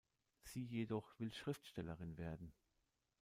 Sie jedoch will Schriftstellerin werden.